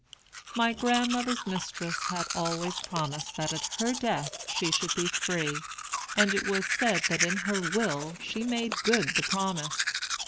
My grandmother's mistress had always promised that at her death she should be free; and it was said that in her will she made good the promise.